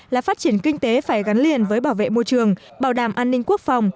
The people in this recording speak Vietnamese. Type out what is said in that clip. là phát triển kinh tế phải gắn liền với bảo vệ môi trường bảo đảm an ninh quốc phòng